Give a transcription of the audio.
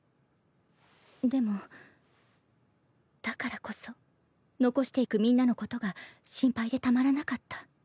でもだからこそ残していくみんなのことが心配でたまらなかった。